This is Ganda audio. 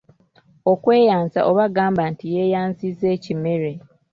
Okweyanza oba gamba nti yeeyanzizza ekimere.